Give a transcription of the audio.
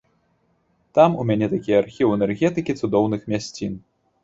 Там у мяне такі архіў энергетыкі цудоўных мясцін.